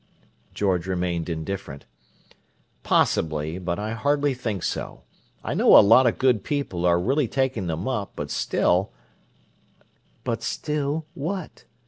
George remained indifferent. "Possibly—but I hardly think so. I know a lot of good people are really taking them up, but still—" "'But still' what?"